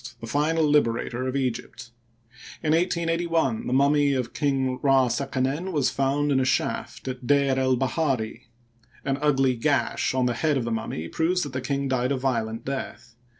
the final liberator of Egypt. In 1 88 1 the mummy of King Ra seqenen was found in a shaft at D^r el bahari. An ugly gash on the head of the mummy proves that the king died a violent death.